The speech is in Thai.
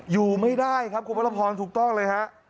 อยู่ไม่ได้ครับคุณพระพรถูกต้องเลยฮะ